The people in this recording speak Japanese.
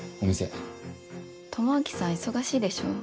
智明さん忙しいでしょ。